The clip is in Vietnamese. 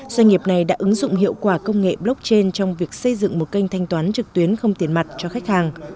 doanh nghiệp này đã ứng dụng hiệu quả công nghệ blockchain trong việc xây dựng một kênh thanh toán trực tuyến không tiền mặt cho khách hàng